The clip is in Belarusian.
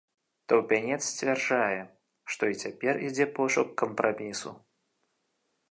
Таўпянец сцвярджае, што і цяпер ідзе пошук кампрамісу.